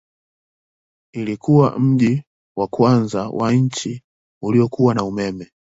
Ilikuwa mji wa kwanza wa nchi uliokuwa na umeme.